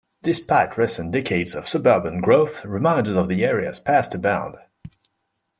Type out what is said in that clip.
Despite recent decades of suburban growth, reminders of the area's past abound.